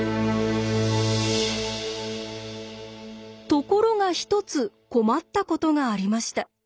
ところが一つ困ったことがありました。